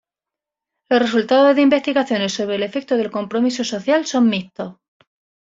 Los resultados de investigaciones sobre el efecto del compromiso social son mixtos.